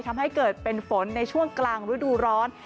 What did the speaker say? ทำให้เกิดเป็นฝนในช่วงกลางฤดูร้อน